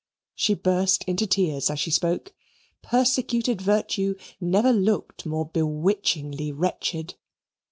She burst into tears as she spoke. Persecuted virtue never looked more bewitchingly wretched.